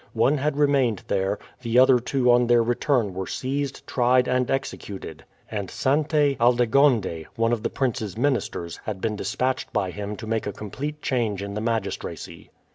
One had remained there; the other two on their return were seized, tried, and executed, and Sainte Aldegonde, one of the prince's ministers, had been dispatched by him to make a complete change in the magistracy.